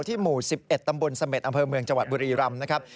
หมู่๑๑ตำบลเสม็ดอำเภอเมืองจังหวัดบุรีรำนะครับ